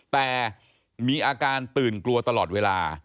แต่มีอาการตื่นกลัวตลอดเวลา